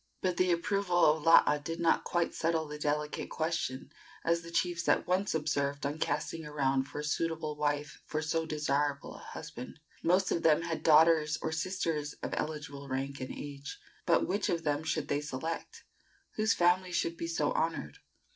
But the approval of Laa did not quite settle the delicate question, as the chiefs at once observed on casting around for a suitable wife for so desirable a husband. The most of them had daughters or sisters of eligible rank and age. But which one of them should they select? Whose family should be so honored?